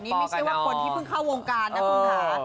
คุณชอบต่อกับน้อง